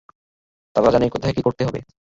তারা জানে কোথায় কি করতে হবে।